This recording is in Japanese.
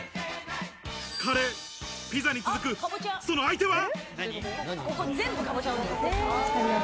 カレー、ピザに続くその相手は。